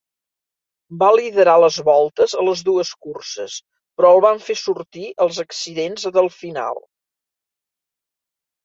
Va liderar les voltes a les dues curses, però el van fer sortir als accidents del final.